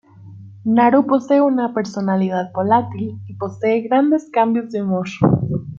Naru posee una personalidad volátil, y posee grandes cambios de humor.